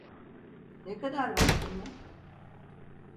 Ne kadar vaktim var?